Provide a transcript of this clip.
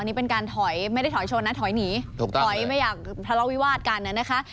อันนี้เป็นการถอยไม่ได้ถอยชนน่ะถอยหนีถอยกระทั่ววิวาสการนะคะ